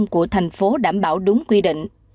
của thành phố đảm bảo đúng quy định